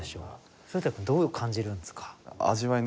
反田君どう感じるんですか？